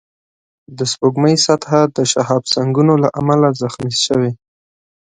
د سپوږمۍ سطحه د شهابسنگونو له امله زخمي شوې